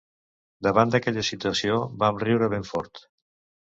Davant d’aquella situació, vam riure ben fort.